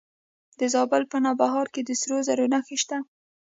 د زابل په نوبهار کې د سرو زرو نښې شته.